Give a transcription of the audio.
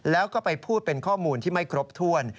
แล้วก็ไปพูดเป็นข้อมูลที่ไม่ครบถ้วน